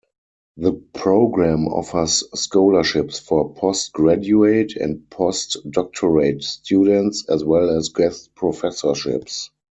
The program offers scholarships for postgraduate and postdoctorate students, as well as guest professorships.